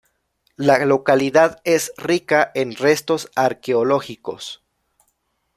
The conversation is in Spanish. La localidad es rica en restos arqueológicos.